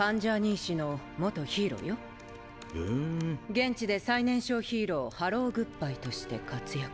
現地で最年少ヒーローハローグッバイとして活躍。